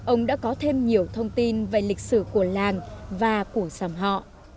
ông đã có thêm nhiều thông tin về lịch sử của làng và của dòng họ